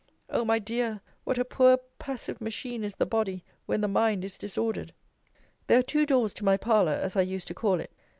Oh my dear, what a poor, passive machine is the body when the mind is disordered! There are two doors to my parlour, as I used to call it.